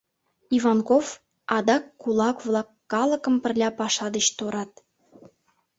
Иванков, адак кулак-влак, калыкым пырля паша деч торат.